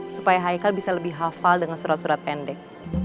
supaya haikal bisa lebih hafal dengan surat surat pendek